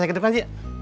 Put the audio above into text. masa kedepan sih